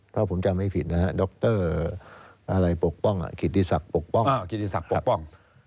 เพราะผมจำให้ผิดนะครับดรอะไรปกป้องขิตติศักดิ์ปกป้อง